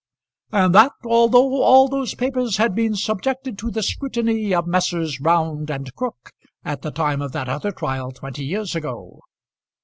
"And that, although all those papers had been subjected to the scrutiny of Messrs. Round and Crook at the time of that other trial twenty years ago?"